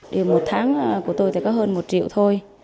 thì một tháng của tôi thì có hơn một triệu thôi